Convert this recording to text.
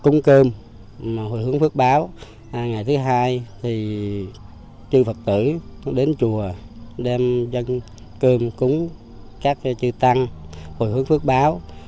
ngày thứ hai thì chư phật tử đến chùa đem dân cơm cúng các chư tăng hồi hướng phước báo